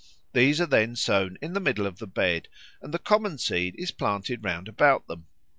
These are then sown in the middle of the bed, and the common seed is planted round about them.